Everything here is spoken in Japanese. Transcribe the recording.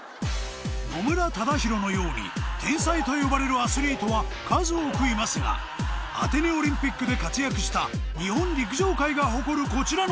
野村忠宏のように天才と呼ばれるアスリートは数多くいますがアテネオリンピックで活躍した日本陸上界が誇るこちらの天才